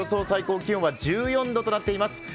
最高気温は１４度となっています。